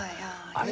「あれ？